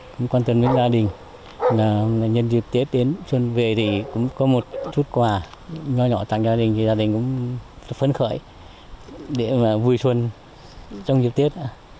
được nhân dịp tết đến xuân về thì cũng có một chút quà nhỏ nhỏ tặng cho gia đình thì gia đình cũng phấn khởi để vui xuân trong dịp tết